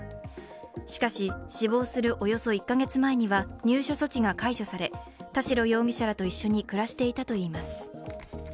しかし、死亡するおよそ１か月前には入所措置が解除され田代容疑者らと一緒に暮らしていたといいます。